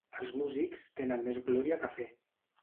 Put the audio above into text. Els músics tenen més glòria que fe.